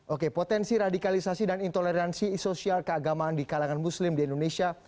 oke potensi radikalisasi dan intoleransi sosial keagamaan di kalangan muslim di indonesia